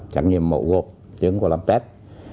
trải nghiệm mậu gột chứng của lâm test